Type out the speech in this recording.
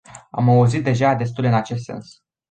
Am auzit deja destule în acest sens.